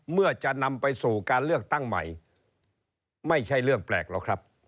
เมื่อจะนำไปสู่การเลือกตั้งใหม่ไม่ใช่เรื่องแปลกหรอกครับ